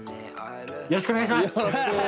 よろしくお願いします！